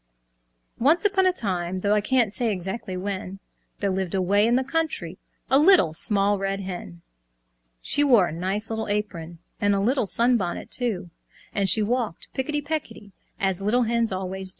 Once upon a time, Though I can't say exactly when, There lived, away in the country, A Little Small Red Hen. She wore a nice little apron, And a little sunbonnet too, And she walked picketty pecketty, As little Hens always do.